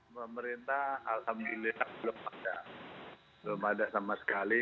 pemerintah alhamdulillah belum ada belum ada sama sekali